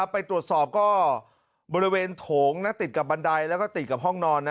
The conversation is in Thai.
ไปตรวจสอบก็บริเวณโถงติดกับบันไดและห้องนอน